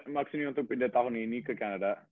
maksudnya untuk pindah tahun ini ke kanada